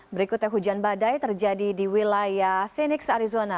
berikutnya hujan badai terjadi di wilayah phoenix arizona